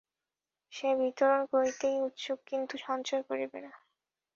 সে বিতরণ করিতেই উৎসুক, কিছু সঞ্চয় করিবে না।